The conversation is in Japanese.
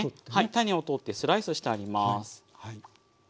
種を取ってスライスしてあります。